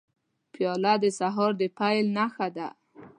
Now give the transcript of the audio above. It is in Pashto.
پیاله د سهار د پیل نښه ده.